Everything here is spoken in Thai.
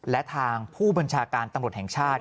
และทางผู้บัญชาการตำรวจแห่งชาติ